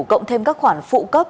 cộng thêm các khoản phụ cấp